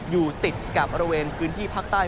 อยู่ติดกับบริเวณพื้นที่ภาคใต้